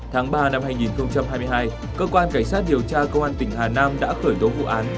tháng ba năm hai nghìn hai mươi hai cơ quan cảnh sát điều tra công an tỉnh hà nam đã khởi tố vụ án